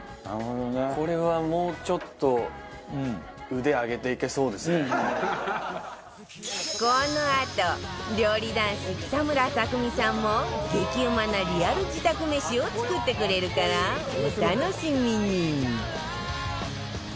これはもうちょっとこのあと料理男子北村匠海さんも激うまなリアル自宅めしを作ってくれるからお楽しみに